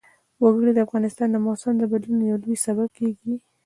وګړي د افغانستان د موسم د بدلون یو لوی سبب کېږي.